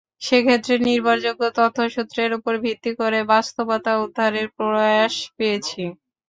সেক্ষেত্রে নির্ভরযোগ্য তথ্যসূত্রের উপর ভিত্তি করে বাস্তবতা উদ্ধারের প্রয়াস পেয়েছি।